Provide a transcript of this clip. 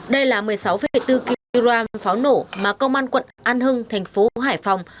đây là một mươi sáu bốn kg pháo nổ mà công an quận an hưng thành phố hải phòng